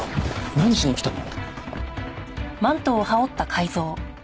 何しに来たの？